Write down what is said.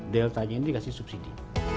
deltanya ini dikasih subsidi